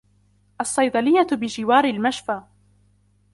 الصيدلية بجوار المشفى.